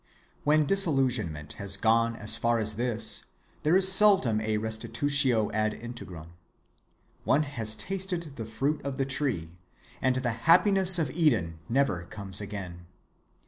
When disillusionment has gone as far as this, there is seldom a restitutio ad integrum. One has tasted of the fruit of the tree, and the happiness of Eden never comes again.